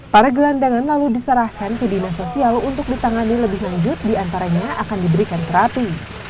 para gelandangan lalu diserahkan ke dinas sosial untuk ditangani lebih lanjut diantaranya akan diberikan terapi